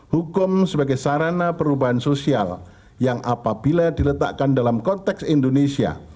hukum sebagai sarana perubahan sosial yang apabila diletakkan dalam konteks indonesia